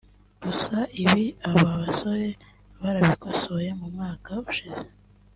Gusa ibi aba basore barabikosoye mu mwaka ushize